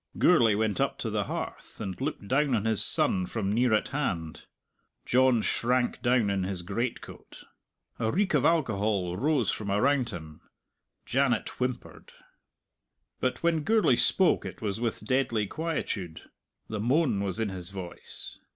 Gourlay went up to the hearth, and looked down on his son from near at hand. John shrank down in his greatcoat. A reek of alcohol rose from around him. Janet whimpered. But when Gourlay spoke it was with deadly quietude. The moan was in his voice.